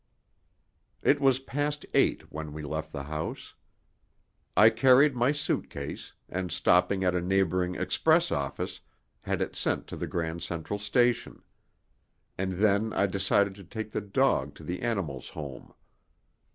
It was past eight when we left the house. I carried my suit case and, stopping at a neighbouring express office, had it sent to the Grand Central station. And then I decided to take the dog to the animal's home.